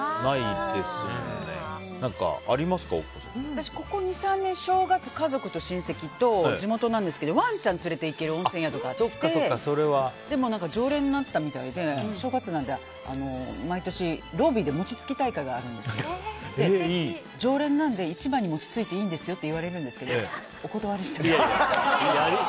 私、ここ２３年正月、家族と親戚と地元なんですけどワンちゃん連れていける温泉宿があって常連になったみたいで正月なので毎年、ロビーで餅つき大会があるんですけど常連なので一番に餅をついていいですよと言われるんですけどお断りしてます。